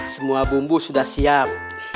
semua bumbu sudah siap